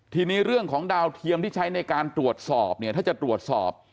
ทีนี้เรื่องของดาวเทียมที่ใช้ในการตรวจสอบเนี่ยถ้าจะตรวจสอบ